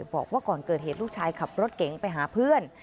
บอกว่าก่อนเกิดเหตุลูกชายขับรถเก๋งไปหาเพื่อน